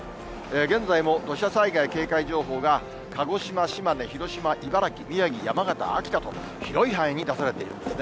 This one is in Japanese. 現在も土砂災害警戒情報が、鹿児島、島根、広島、茨城、宮城、山形、秋田と、広い範囲に出されているんですね。